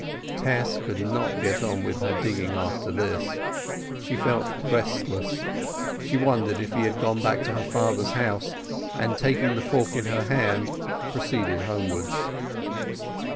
Tess could not get on with her digging after this; she felt restless; she wondered if he had gone back to her father's house; and taking the fork in her hand proceeded homewards.